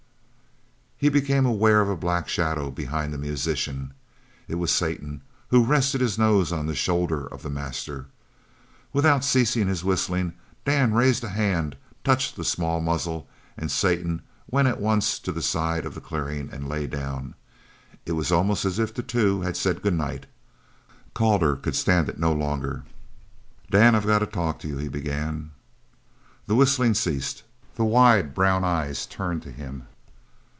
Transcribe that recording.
He became aware of a black shadow behind the musician. It was Satan, who rested his nose on the shoulder of the master. Without ceasing his whistling Dan raised a hand, touched the small muzzle, and Satan went at once to a side of the clearing and lay down. It was almost as if the two had said good night! Calder could stand it no longer. "Dan, I've got to talk to you," he began. The whistling ceased; the wide brown eyes turned to him.